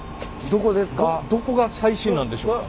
どこが最新なんでしょうか？